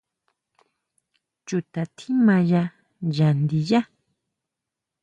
¿Chuta tjimaya ya ndiyá?